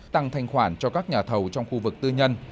tăng thanh khoản cho các nhà thầu trong khu vực tư nhân